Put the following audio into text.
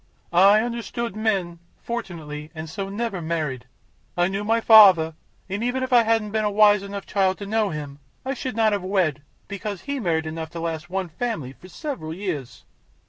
"I understood men, fortunately, and so never married. I knew my father, and even if I hadn't been a wise enough child to know him, I should not have wed, because he married enough to last one family for several years."